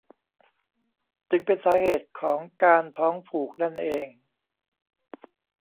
จึงเป็นสาเหตุของการท้องผูกนั่นเอง